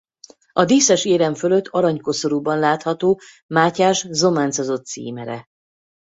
A díszes érem fölött arany koszorúban látható Mátyás zománcozott címere.